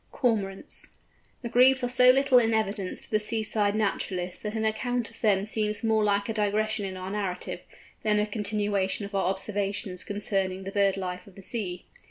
CORMORANTS. The Grebes are so little in evidence to the seaside naturalist that an account of them seems more like a digression in our narrative, than a continuation of our observations concerning the bird life of the sea.